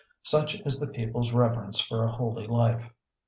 Such is the people's reverence for a holy life.